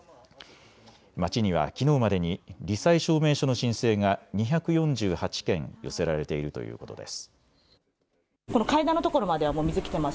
町にはきのうまでにり災証明書の申請が２４８件寄せられているということです。